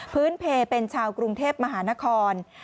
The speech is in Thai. เพลเป็นชาวกรุงเทพมหานคร